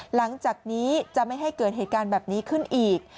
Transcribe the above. หลังจากนี้จะไม่ให้เกิดเหตุการณ์แบบนี้ขึ้นอีก